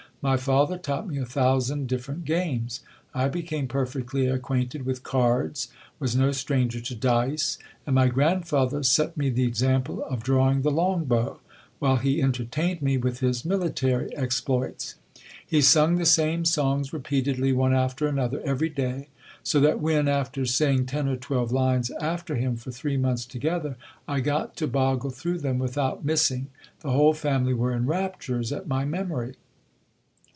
My father taught me a thousand different games. I became perfectly acquainted with cards, was no stranger to dice, and my grandfather set me the example of drawing the long bow, while he entertained me with his military exploits. He sung the same songs repeatedly one after another every day ; so that when, after saying ten or twelve lines after him for three months together, I got to boggle through them without missing, the whole family were in raptures at my THE CAPTAIN RELATES HIS HISTORY. memory.